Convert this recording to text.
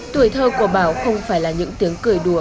tuổi thơ của bảo không phải là những tiếng cười đùa